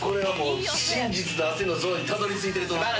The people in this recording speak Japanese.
真実の汗のゾーンにたどり着いてると思います。